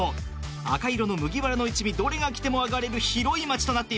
赤色の麦わらの一味どれがきてもあがれる広い待ちとなっています。